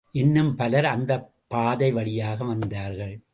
இன்னும் பலர் அந்தப்பாதை வழியாக வந்தார்கள்.